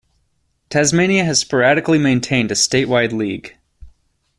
Tasmania has sporadically maintained a statewide league.